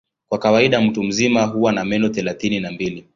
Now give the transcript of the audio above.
Kwa kawaida mtu mzima huwa na meno thelathini na mbili.